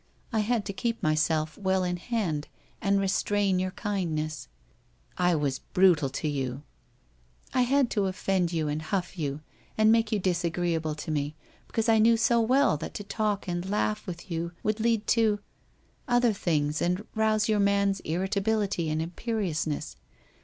I had to keep myself well in hand and restrain your kindness '' I was brutal to you !'' I had to offend you and huff you, and make you dis agreeable to me, because I knew so well that to talk and laugh with you would lead to — other things and rouse your man's irritability and imperiousness.